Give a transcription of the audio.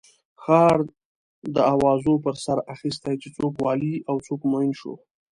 ښار د اوازو پر سر اخستی چې څوک والي او څوک معین شو.